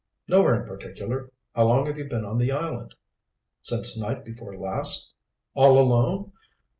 "Nowhere in particular. How long have you been on the island?" "Since night before last?" "All alone?"